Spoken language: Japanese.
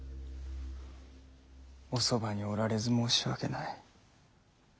おそばにおられず申し訳ない。